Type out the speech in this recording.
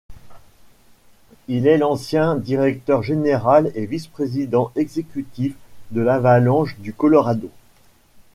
Il est l'ancien directeur général et vice-président exécutif de l'Avalanche du Colorado.